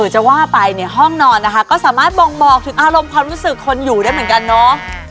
จะว่าไปเนี่ยห้องนอนนะคะก็สามารถบ่งบอกถึงอารมณ์ความรู้สึกคนอยู่ได้เหมือนกันเนาะ